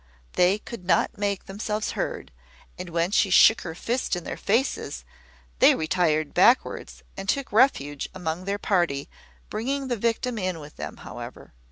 They could not make themselves heard; and when she shook her fist in their faces, they retired backwards, and took refuge among their party, bringing the victim in with them, however.